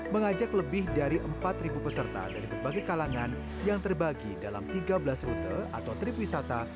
mengajak lebih dari empat peserta dari berbagai kalangan yang terbagi dalam tiga belas rute atau trip wisata